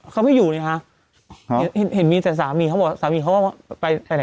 เขาไม่อยู่เนี้ยฮะเห็นเห็นมีแต่สามีเขาบอกสามีเขาว่าไปไปไหนบอก